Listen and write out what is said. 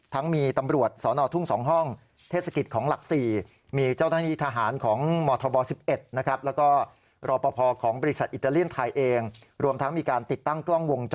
ทั้งมีตำรวจสอนอทุ่ง๒ห้องเทศกิจของหลัก๔